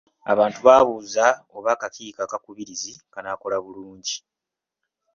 Abantu baabuuza oba akakiiko akakubirizi kanaakola bulungi.